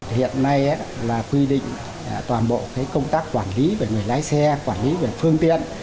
hiện nay là quy định toàn bộ công tác quản lý về người lái xe quản lý về phương tiện